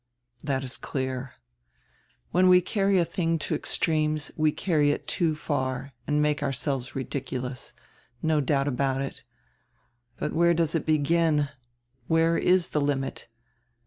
That is clear. When we carry a tiling to extremes we carry it too far and make ourselves ridiculous. No doubt about it. But where does it begin? Where is die limit?